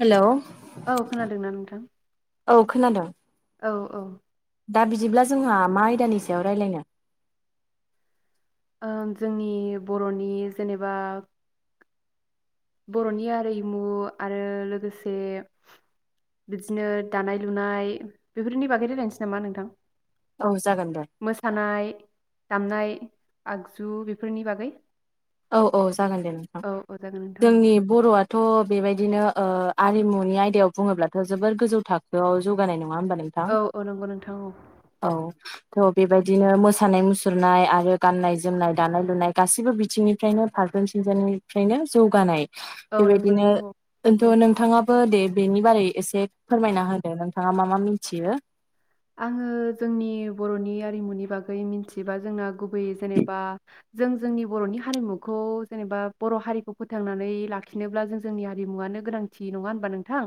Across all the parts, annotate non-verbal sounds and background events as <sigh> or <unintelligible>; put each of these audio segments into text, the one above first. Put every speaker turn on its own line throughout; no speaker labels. Hello
औ खोनादोंना नोंथां
औ खोनादों
औ औ
दा बिदिब्ला जोंहा मा आयदानि सायाव रायलायनो
ओ जोंनि बर'नि जेनेबा बर'नि आरिमु आरो लोगोसे बिदिनो दानाय लुनाय बेफोरनि बागै रायलायनोसै नामा नोंथां
औ जागोन दे
मोसानाय दामनाय आगजु बेफोरनि बागै
औ औ जागोन दे नोंथां
औ औ जागोन नोंथां औ
जोंनि बर'आथ बेबायदिनो ओ आरिमुनि आयदायाव बुङोब्लाथ जोबोर गोजौ थाखोआव जौगानाय <unintelligible> नङा होमबा नोंथां
औ औ नंगौ नोंथां औ
औ थ' बेबायदिनो मोसानाय मुसुरनाय आरो गाननाय जोमनाय दानाय लुनाय गासैबो बिथिंनि फ्रायनो फारफ्रोमथिंजायनिफ्रायनो जौगानाय
औ नंगौ
बेबायदिनो
नोंथां औ औ
इन्थु नोंथाङा बो दे बेनि बारै एसे फोरमायना होदो नोंथाङा मा मा मिनथियो।
आङो जोंनि बर'नि आरिमुनि बागै मिथिबा जोंना गुबै जेनेबा जों जोंनि बर'नि हारिमुखौ जेनेबा बर' हारिखौ फोथांनानै लाखिनोब्ला जों जोंनि हारिमुवनो गोनांथि नङा होनबा नोंथां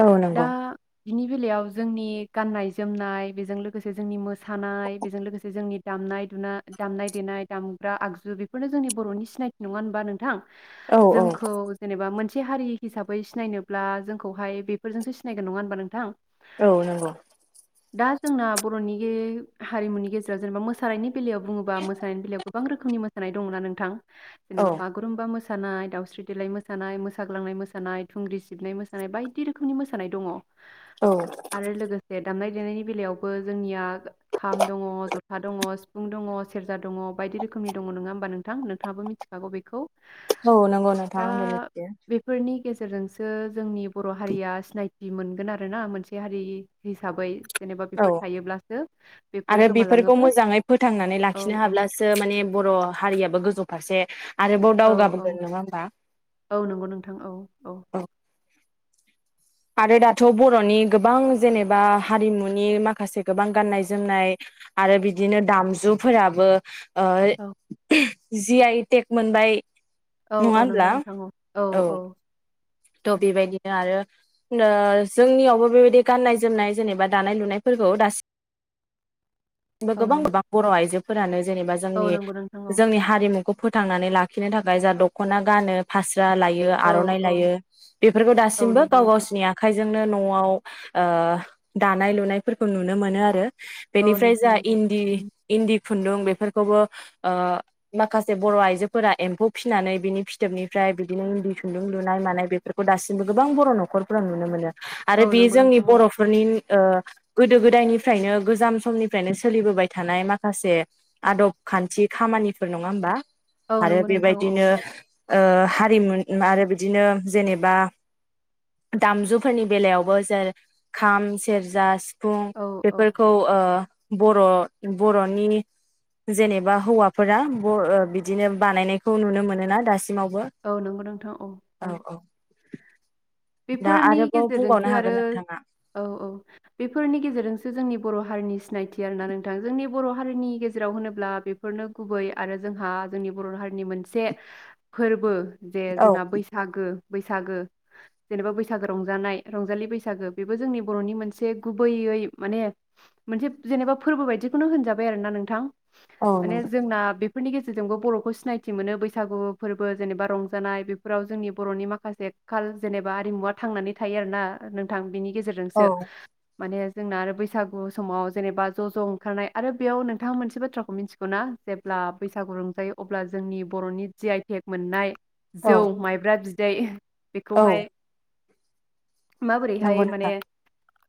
औ
दा
नंगौ
बिनि बेलायाव जोंनि गाननाय जोमनाय बेजों लोगोसे जोंनि मोसानाय बेजों लोगोसे जोंनि दामनाय दुनाय दामनाय देनाय दामग्रा आगजु बेफोरनो जोंनि बर'नि सिनायथि नङा होनबा नोंथां
औ
जोंखौ जेनेबा मोनसे से हारि हिसाबै सिनायनोब्ला जोंखौहाय बेफोरजोंसो सिनायगोन नङा होनबा नोंथां
औ नोंगौ
दा जोंना बर'नि गे हारिमुनि गेजेराव जेनेबा मोसानायनि बेलायाव बुङोबा मोसानायनि बेलायाव गोबां रोखोमनि मो होनाय दङना नोंथां
औ
जेनेबा बागुरुम्बा मोस सानाय दावस्रि देलाय मोसानाय मोसाग्लांनाय मोसानाय थुंग्रि सिबनाय मोसानाय बायदि रोखोमनि मोसानाय दङ‌'
औ
आरो लोगोसे दामनाय देनायनि बेलायावबो जोंनिया खाम दङ जथा दङ सिफुं दङ सेरजा दङ बायदि रोखोमनि दङ नङा होमबा नोंथां नोंथाङाबो मिथिखागौ बेखौ
औ नंगौ नोंथां आंबों मिथियो
जोंसो जोंनि बर' हारिया सिनाय थि मोनगोन आरो ना मोनसे हारि हिसाबै जेनेबा
औ
बेफोर थायोब्लासो बेफोर
आरो बेफोरखौ
गोमालाङोब्ला
मोजाङै फोथांनानै
औ
लाखिनो
औ
हाब्लासो माने बर' हारियाबो गोजौ फारसे आरोबाव
औ औ
दावगाबोगोन नङा होमबा
औ नंगौ नोंथां औ औ‌
औ आरो दाथ' बर'नि गोबां जेनेबा हारिमुनि माखासे गोबां गाननाय जोमनाय आरो बिदिनो दामजुफोराबो ओइ‌
औ
जि आइ टेक मोनबाय
औ
नङा
औ नंगौ
होनब्ला
नोंथां औ औ औ
त'
औ
बेबायदिनो आरो नो जोंनियावबो बेबायदि गाननाय जोमनाय जेनेबा दानाय लुनायफोरखौ दासिम
औ
गोबां
नंगौ
गोबां बर' आइजो फोरानो जेनेबा
औ
जोंनि
नंगौ नोंथां औ
जोंनि हारिमु खौ फोथांनानै लाखिनो थाखाय जा दख'ना गानो फास स्रा लायो
औ
आर'नाइ
औ
लायो बेफोरखौ
औ
दासिमबो
नंगौ
गाव
नोंथां
गावसिनि आखाइज जोंनो न'आव ओ दानाय लुनायफोरखौ नुनो मोनो आरो
औ
बेनिफ्राय
नोंथां
ज
नंगौ
इन्दि
उम
इन्दि खुन्दुं बेफोरखौबो ओ माखासे बर' आइजोफोरा एम्फौ फिसिनानै बिनि फिथोबनिफ्राय बिदिनो इन्दि खुन्दुं लुनाय मानाय बेफ फोरखौ दासिमबो गोबां बर' न'खरफोरााव नुनो मोनो। आरो
औ
बे
नंगौ
जोंनि
नोंथां औ
बर'फोरनि अ गोदो गोदायनिफ्रायनो गोजाम समनिफ्रायनो सोलिबोबाय थानाय माखासे आदब खान्थि खामानिफोर नङा होमबा
औ
आरो
नंगौ नोंथां औ
बेबायदिनो
औ
ओ हारिमु आरो बिदिनो जेनेबा दामजुफोरनि बेलायावबो जेर खाम सेरजा सि फुं
औ औ
बेफोरखौ ओ बर' बर'नि जेनेबा हौवाफोरा बर बिदिनो बानायनायखौ नुनो मोनोना दासिम
औ नंगौ नोंथां औ
औ औ दा
बेफोरनि
आरोबाव बुंबावनो
गेजेरजोंसो आरो
हागोन नोंथाङा
औ औ बेफोरनि गेजेरजोंसो जोंनि बर' हारिनि सिनायथि आरोना नोंथां जोंनि बर' हारिनि गेजेराव होनोब्ला बेफोरनो गुबै आरो जोंहा जोंनि बर' हारिनि मोनसे फोरबो जे
औ
जोंना बैसागो बैसागो जेनेबा बैसागो रंजानाय रंजालि बैसागो बेबो जोंनि बर'नि मोनसे गुबैयै माने मोनसे जेनेबा फोरबो बायदिखौनो होनजाबाय आरो ना नोंथां
औ
माने
नंगौ
जोंना बेफ फोरनि गेजेरजोंबो बर'खौ सिनायथि मोनो बैसागु फोरबो जेनेबा रंजानाय बेफोराव जोंनि बर'नि माखासे काल जेनेबा आरिमुवा थांनानै थायो आर ना नोंथां बिनि
औ
गेजेरजोंसो माने जोंना आरो बैसागु समाव जेनेबा ज' ज' ओंखारनाय आरो बेयाव नोंथाङा मोनसे बाथ्राखौ मिथिगौना जेब्ला बैसागु रंजायो अब्ला जोंनि बर'नि जि आइटेक मोननाय
औ
जौ माइब्रा बिद दै
औ
खौहाय
नंगौ
माबोरैहाय माने
नोंथां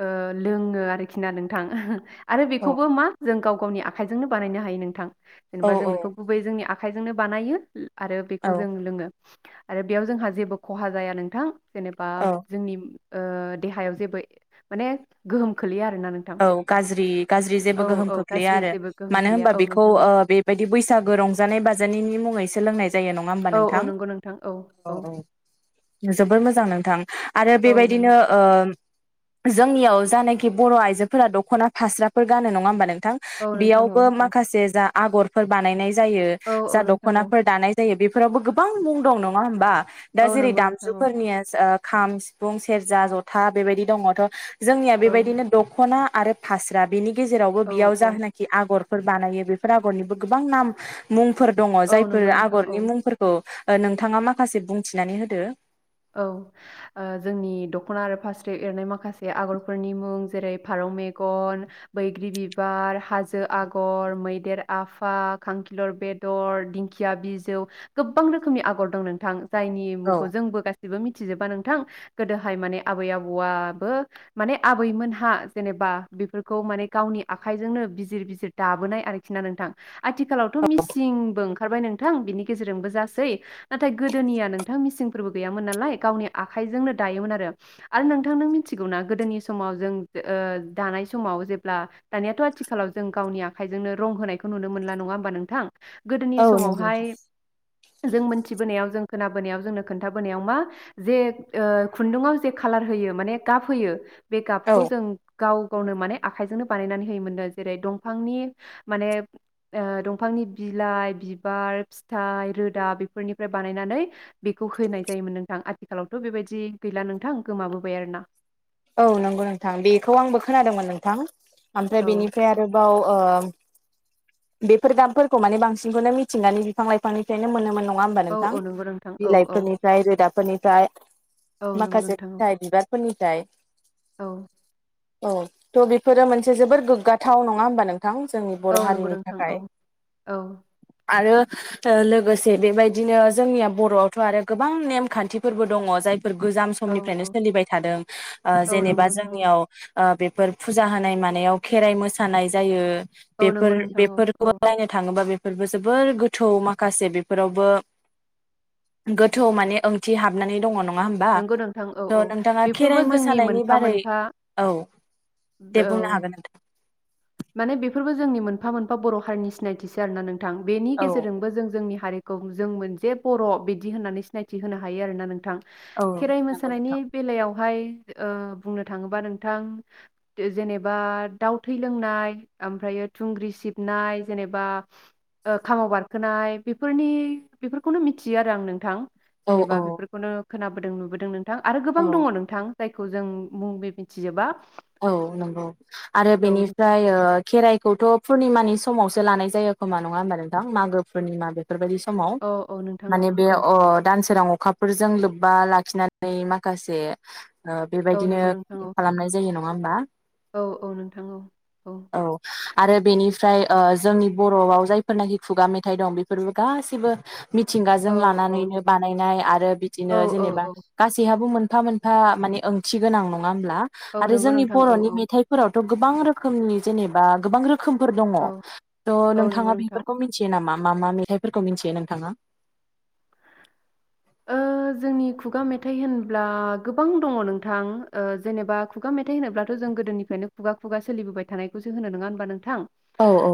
अ लोङो आरोखि ना नोंथां आरो
औ
बेखौबो मा जों गाव गावनि आखाइजोंनो बानायनो हायो नोंथां
औ
जेनेबा जों
औ
बेखौ गुबै जोंनि आख खाइजोंनो बानायो आरो
औ
बेखौ जों लोङो आरो बेयाव जोंहा जेबो खहा जाया नों थां जेनेबा
औ
जोंनि ओ देहायाव जेबो माने गोहोम खोलैया आरोना नोंथां
औ गाज्रि गाज्रि
औ
जेबो गोहोम
औ
खोख्लैया
गाज्रि
आरो
जेबो गोहोम
मानो
खोलैया
होनबा
औ
बेखौ
नोंथां औ
ओ बेबायदि बैसागो रंजानाय बाजानायनि मुङैसो लोंनाय जायो नङा होमबा
औ औ
नोंथां?
नंगौ नोंथां औ औ
जोबोर मोजां नोंथां आरो
औ नों
बेबायदिनो ओ जोंनियाव जानाइखि बर' आइजो फोरा दख'ना फास्राफोर गानो नङा होमबा नों
औ नोंथां औ
बेयावबो
औ
माखासे जा आगरफोर बानायनायज जायो
औ
जा
औ नोंथां औ
दख'नाफोर दानाय जायो बे बेफोरावबो गोबां मुं दं नङा होमबा दा
औ
जेरै
नंगौ नोंथां औ
दामजुफोरनियाज ओह खाम सिफुं सेरजा जथा बेबायदि दङथ' जोंनिया
औ
बेबायदिनो खना आरो फास्रा बेनि गेजेरावबो
औ
बियाव
औ
जाहोनाखि आगर बानायो बेफोर आगरनिबो गोबां नाम मुं फोर दङ
औ
जायफोर
नंगौ नोंथां
आगरनि
औ
मुंफोरखौ ओ नोंथाङा माखासे बुंथिनानै होदो
औ ओह जोंनि दख'ना आरो फास्रे एरनाय माखासे आगरफोरनि मुं जेरै फारौ मेगन बैग्रि बिबार हाजो आगर मै आफा खांखिलर बेदर दिंखिया बिजौ गोबां रोखोमनि आगर दं नोंथां जायनि
औ
मुंखौ जोंबो मिथिजोबा नोंथां गोदोहाय माने आबै आबौआबो माने आबैमोनहा जेनेबा बेफोरखौ माने गावनि आखाइजोंनो बिजिर बिजिर दाबोनाय आरोखि ना नोंथां आथिखालावथ' मिसिंबो ओंखारबाय नोंथां बिनि गेजेरजोंबो जासै नाथाय गोदोनिया नोंथां मिसिंफोरबो गैयामोन मोन नालाय गावनि आखाइजोंनो दायोमोन आरो आरो नोंथां नों मिथिगौना गोदोनि समाव जों दानाय समाव जेब्ला दानियाथ' आथिखालाव जों गावनि आखाइजोंनो रं होनायखौ नुनो मोनला नङा होमबा नोंथां गोदोनि
औ नंगौ नोंथां
समावहाय जों मोनथिबोनायाव जों खोनाबोनायाव जोंनो खोनथा बोनायाव मा जे ओह खुन्दुंआव जा खालार होयो माने गाब होयो बे
औ
गाबखौ जों गाव गावनो माने आखाइजोंनो बानायनानै होयोमोननो जेरै दंफांनि माने ओह दंफांनि बिलाइ बिबार फिथाइ रोदा बेफोरनिफ्राय बानायनानै बेखौ होनाय नोंथां आथिखालावथ' बेबायदि गैला नोंथां गोमाबोबाय आरोना
औ नोंगौ नोंथां बेखौ आंबो खोनादोंमोन नोंथां ओमफ्राय
औ
बेनिफ्राय आरोबाव ओ बेफोर दामफोरखौ माने बांसिनखौनो मिथिनानै बिफां लाइफांनिफ्रायनो मोनोमोन नङा नङा होमबा
औ
नोंथां
औ नंगौ नोंथां औ औ
बिलाइफोरनिफ्राय रोदाफोरनि जाय
औ नंगौ
माखासे
नोंथां
फिथाइ बिबारफोरनि द
औ।
औ थ' बेफोरो मोनसे जोबद गोग्गाथाव नङा होमबा नोंथां। थ जोंनि
औ
बर'
औ नंगौ
हारिनि
नोंथां
थाखाय
औ औ
आरो लोगोसे बेबायदिनो जोंनिया बर'आवथ' आरो गोबां नेमखान्थिफोरबो दङ जाय गोजाम
औ
समनिफ्रायनो
औ
सोलिबाय थादों ओ
औ नंगौ
जेनेबा
नोंथां औ
जोंनियाव ओ बेफोर फुजा होनाय मानायाव खेराइ मोसानाय जायो
औ
बेफोर
नंगौ नोंथां औ
बेफोरखौ
औ
नायनो थाङोबा बे <unintelligible> जोबोर गोथौ माखासे बेफोरावबो गोथौ माने ओंथि हाबनानै दङ न ङा होमबा
नंगौ नोंथां औ औ
थ नोंथाङा
बेफोरबो
खेराय मोसा
जोंनि
मोसानायनि
मोनफा
बारै
मोनफा
औ दे
औ
बुंनो हागोन नोंथां
माने बेफोरबो जोंनि मोनफा मोनफा बर हारिनि सिनायथिसो आरोना नों थां बेनि
औ
गेजेरजोंबो जों जोंनि हारिखौ जों मोनसेे बर बिदि होननानै सिनायथि होनो हायो आरोना नोंथां
औ
खेराइ
नंगौ
मोसानायनि
नोंथां
बेलायाव ओमफ्राय ओ बुंनो थाङोबा नोंथां जे जेनेबा दाउ थै लोंनाय ओमफ्रायो थुंग्रि सिबनाय जेनेबा ओ खामाव बारखोनाय बेफोरनि बेफोरखौनो मिथियो आरो आं नोंथां
औ
जेनेबा
औ
बेफोरखौनो खोनाबोदों नुबोदों नों थां आरो गोबां
औ
दङ नोंथां जायखौ जों <unintelligible> मिथिजोबा
औ नंगौ आरो
औ
बेनिफ्राय ओ खेराइखौथ पुरनिमानि समावसो लानाय जायो खोमा नङा होमबा नोंथां मागो पुरनिमा बे फोरबायदि समाव
औ औ नोंथां औ
माने बे
औ
अ दान सोरां अखाफोरजों लोब्बा लाखिनानै माखासे ओ
औ
बेबायदिनो
नंगौ नोंथां औ
खालामनाय जायो नं ङा होमबा
औ औ नोंथां औ औ
फ्राय ओ जोंनि बरआव जायफोरनाखि खुगा मेथाइ दं बेफोरबो गासिबो मिथिंगाजों
औ औ
लानानैनो बानायनाय आरो
औ
बिदिनो
औ
जेनेबा
औ
गासैहाबो मोन फा मोनफा माने ओंथि गोनां नङा होमब्ला
औ
आरो
नंगौ
जोंनि
नोंथां
बर
औ
नि
औ
मेथाइफोराव थ गोबां रोखोमनि जेनेबा गोबां रो खोमफोर दङ
औ
थ
औ नंगौ
नोंथाङा
नोंथां
बिफोरखौ मिन्थियो नामा मा मा मेथाइफोरखौ मिन्थियो नोंथाङा
ओ जोंनि खुगा मेथाइ होनब्ला गोबां दङ नोंथां ओ जेनेबा खुगा मेथाइ होनोब्लाथ जों गोदोनिफ्रायनो खुगा खुगा सोलिबोबाय थानायखौसो होनो नङा होनबा नोंथां
औ औ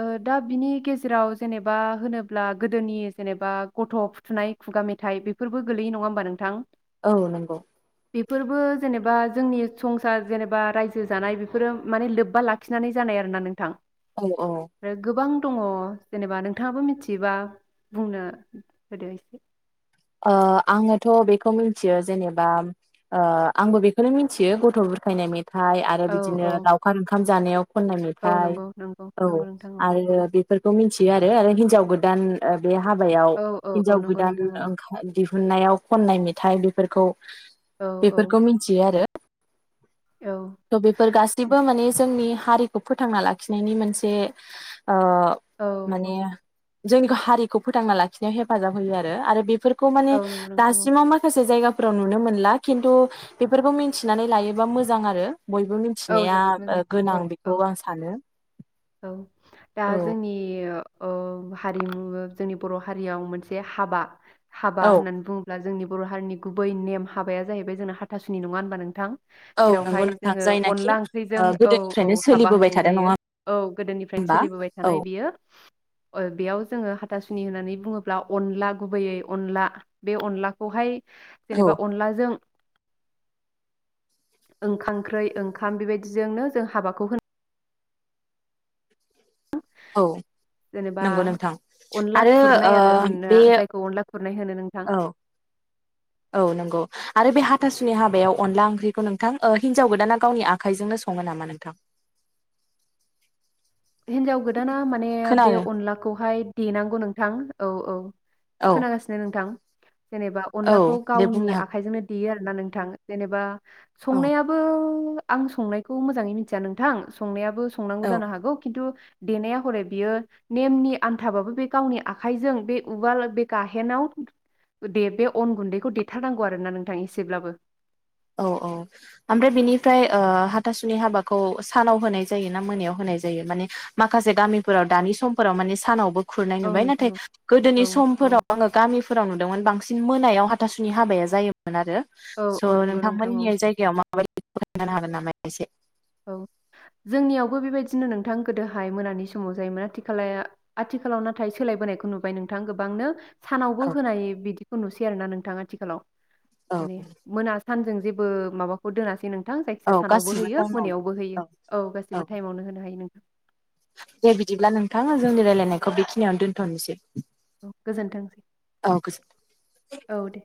ओ दा बिनि गेजेराव जेनेबा होनोब्ला गोदोनि जेनेबा गथ' फुथुनाय खुगा मे थाइ बेफोरबो गोलैयो नङा होमबा नोंथां।
औ नोंगौ
बेफोरबो जेनेबा जोंनि <unintelligible> दङ' जेनेबा
औ औ
नोंथाङाबो मिथियोबा बुंनो होदो एसे
ओ आङोथ' बेखौ मिन्थियो जेनेबा ओ आंबो बेखौनो मिन्थियो गथ' बुरखायनाय मे थाइ आरो
औ
बिदिनो
औ
लावखार ओंखाम जानायाव खननाय
औ
मेथाइ
नंगौ नंगौ
औ
नंगौ नोंथां
आरो बे फोरखौ मिन्थियो आरो हिनजाव गोदान ओ बे हाबायाव
औ औ औ
हिन्जाव
नंगौ
गोदान
नोंथां औ
<unintelligible> मुननायाव खननाय मेथाइ बेफोरखौ
औ औ
बेफोरखौ मिन्थियो आरो
औ
थ' बेफोर गासैबो माने जोंनि हारिखौ फोथांना लाखिनायनि मोनसे
औ औ
जोंनिखो हारिखौ फोथांना लाखिनायाव हेफाजाब होयोआरो आरो बेफोर खौ माने
औ नंगौ नोंथां औ
दासिमाव माखासे जायगा फोराव नुनो मोनला खिन्थु बेफोरखौ मिथिनानै लायोबा मोजां आरो बयबो
औ
मिन्थिनाया
जोबोद
ओ
मोजां औ
गोनां
औ
बेखौ आं सानो।
औ दा
औ
जोंनि ओ ओ हारिमु जोंनि बर' हारियाव मोनसे हाबा हाबा होननानै बुङोब्ला जोंनि बर' हारिनि गुबै नेम हाबाया जाहैबाय जोंना हाथासुनि नङा होनबा नोंथां
औ
जेरावहाय
नंगौ नोंथां
जोङो
जाय
अनला ओंख्रिजों औ औ हाबा होनाय
थादों
जायो
नङा
औ गोदोनिफ्रायनो
होमबा
सोलिबोबाय
औ
थानाय बियो ओ बेयाव जोङो हाथ थासुनि होननानै बुङोब्ला अनला गुबैयै अनला बे अनलाखौहाय
औ
जेनेबा अनलाजों ओंखाओंख्रै ओंखाम बेबायदिजोंनो जों हाबाखौ होनो
औ
जेनेबा
नंगौ नोंथां
अनला
आरो
खुरनाय
ओ
आरो होना
बे
जायखौ अनला खुरनाय होनो नोंथां
औ औ नंगौ आरो बे हा आथासुनि हाबायाव अनदला ओंख्रिखौ नोंथां ओ हिनजाव गोदाना गावनि आखाइजोंनो सङो नामा नोंथां
हिनजाव गोदाना माने बे
खोनादों
अनलाखौहाय देनांगौ नोंथां औ औ
औ
खोनागासिनो नोंथां जेनेबा
औ
अनलाखौ
दे बुंनो
गावनि
हागोन
आखाइजोंनो देयो आरो। ना नोंथां जेनेबा
औ
संनायाबो आं संनायखौ मोजाङै मिथिया नोंथां संनायाबो संनांगौ
औ
जानो हागौ। खिन्थु देनाया हरै बियो नेमनि आन्थाबाबो बे गावनि आखाइजों बे उवाल बे गाहेनाव दे बे अन गुन्दैखौ देथारनांगौ आरोना नोंथां एसेब्लाबो
औ औ ओमफ्राय बेनिफ्राय ओ हाथासुनि हाबाखौ सानाव होनाय जायो ना मोनायाव होनाय जायो माने माखासे गामिफोराव दानि समफोराव माने सानावबो खुरनाय
औ
नुबाय
नोंथां
नाथाय
औ
गोदोनि
औ औ
समफोराव आङो गामिफोराव नुदोंमोन बांसिन। मोनायाव हाथासुनि हाबाया जायो मोन आरो
औ
स'
औ नंगौ
नों
नोंथां औ
निया जायगायाव मा माबादि खिन्थानो होगोन नामा एसे
औ जोंनियावबो बेबायदिनो नोंथां गोदोहाय मोनानि समाव जायोमोन आथिखाला आथिखालाव नाथाय सोलायबोनायखौ नुबाय नोंथां गोबांनो सानावबो
औ
होनायो बिदि नुसै आरो नोंथां आथिखालाव
औ
माने मोना सानजों जेबो माबाखौ दोनाखै नों थां
औ
जायखिया सानावबो
गासिबो
होयो
टाइमावनो
मोनायावबो होयो औ गासिबो टाइमावनो होनो हायो नों
दे बिदिब्ला नोंथा जोंनि रायलायनायखौ बेखिनियावनो दोनथ'नोसै।
गोजोनथोंसै
औ गोजोन
औ दे।